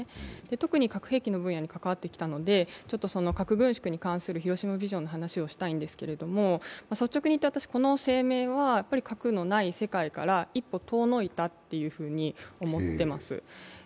特に核兵器の分野に関わってきたので、核軍縮に関する広島ビジョンの話をしたいんですけれども率直に言って、私、この声明は核のない世界から一歩遠のいたと思っています。